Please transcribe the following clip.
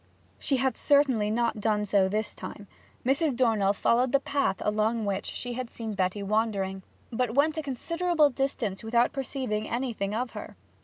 She had certainly not done so this time. Mrs. Dornell followed the path along which she had seen Betty wandering, but went a considerable distance without perceiving anything of her.